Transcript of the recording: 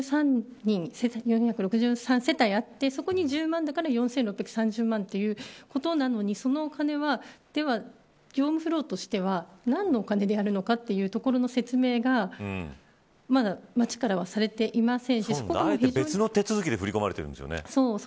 非課税世帯が４６３世帯あってそこに４６３０万だから４６３０万円ということなのにそのお金は業務フローとして何のお金であるかというところの説明がまだ町からはされていませんしあえて別の手続きで振り込まれてるんですよね。